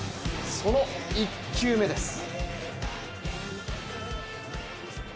その１球目です。